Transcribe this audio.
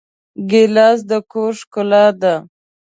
ګیلاس د کور ښکلا ده.